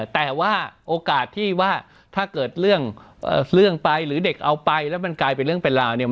แต่ว่าโอกาสที่ว่าถ้าเกิดเรื่องไปหรือเด็กเอาไปแล้วมันกลายเป็นเรื่องเป็นราวเนี่ย